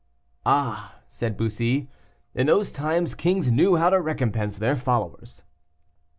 "Ah!" said Bussy, "in those times kings knew how to recompense their followers."